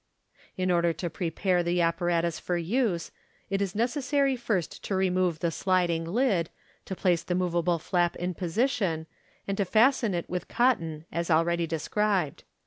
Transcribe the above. In order to prepare the apparatus for use, it is necessary first to remove the sliding lid, to place the moveable flap in position, and to fasten it with cotton as already described.